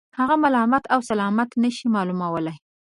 هغه ملامت و سلامت نه شي معلومولای.